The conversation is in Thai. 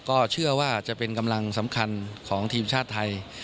ก็เชื่อว่าจะเป็นกำลังสำคัญของทีมชาติไทย